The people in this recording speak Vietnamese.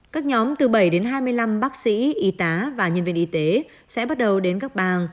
các nhóm từ bảy đến hai mươi năm bác sĩ y tá và nhân viên y tế sẽ bắt đầu đến các bang